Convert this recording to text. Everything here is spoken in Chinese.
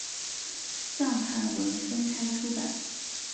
藏汉文分开出版。